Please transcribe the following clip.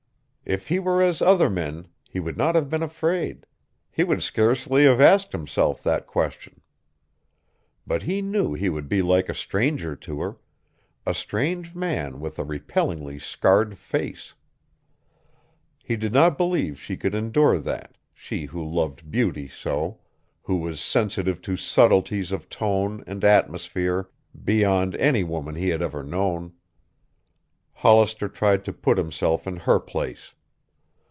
If he were as other men he would not have been afraid; he would scarcely have asked himself that question. But he knew he would be like a stranger to her, a strange man with a repellingly scarred face. He did not believe she could endure that, she who loved beauty so, who was sensitive to subtleties of tone and atmosphere beyond any woman he had ever known. Hollister tried to put himself in her place.